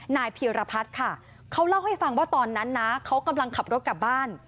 เพียรพัฒน์ค่ะเขาเล่าให้ฟังว่าตอนนั้นนะเขากำลังขับรถกลับบ้าน